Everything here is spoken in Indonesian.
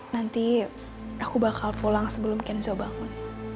nanti aku bakal pulang sebelum kenzo bangun